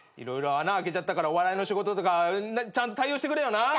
色々穴あけちゃったからお笑いの仕事とかちゃんと対応してくれよな。